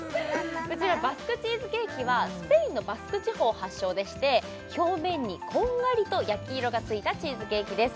こちらバスクチーズケーキはスペインのバスク地方発祥でして表面にこんがりと焼き色がついたチーズケーキです